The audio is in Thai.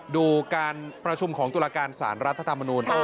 ดูการประชุมของตุลาการสารรัฐธรรมนูล